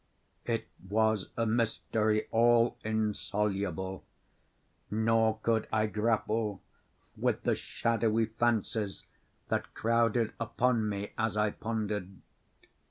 It was a mystery all insoluble; nor could I grapple with the shadowy fancies that crowded upon me as I pondered.